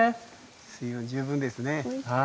水分が十分ですね。